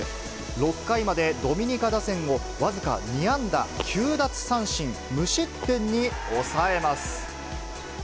６回までドミニカ打線を僅か２安打９奪三振、無失点に抑えます。